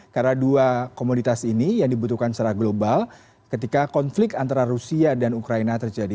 karena dua komoditas ini yang dibutuhkan secara global ketika konflik antara rusia dan ukraina terjadi